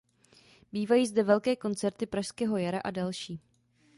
Bývají zde velké koncerty Pražského jara a další.